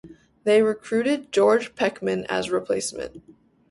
They recruited George Peckham as replacement.